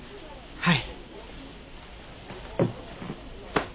はい。